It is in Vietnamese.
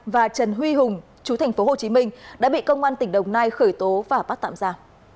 và trần huy hùng chú thành phố hồ chí minh đã bị công an tỉnh đồng nai khởi tố và bắt tạm ra